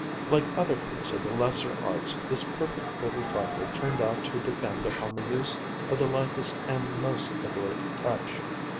Like other feats of the lesser arts this perfect trifle turned out to depend upon the use of the lightest and most adroit touch.